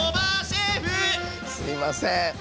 すいません。